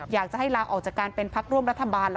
อยากจะให้ลาออกจากการเป็นพักร่วมรัฐบาลแล้ว